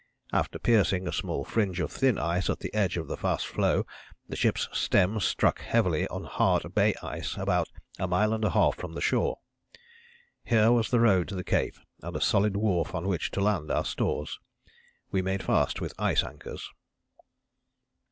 After piercing a small fringe of thin ice at the edge of the fast floe the ship's stem struck heavily on hard bay ice about a mile and a half from the shore. Here was a road to the Cape and a solid wharf on which to land our stores. We made fast with ice anchors."